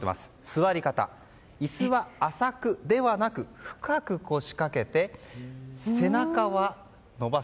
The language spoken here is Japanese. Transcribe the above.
座り方、椅子は浅くではなく深く腰掛けて背中は伸ばす。